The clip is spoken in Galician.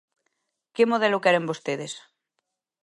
¿Que modelo queren vostedes?